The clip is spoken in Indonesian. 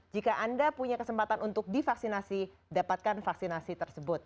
jika anda punya kesempatan untuk divaksinasi dapatkan vaksinasi tersebut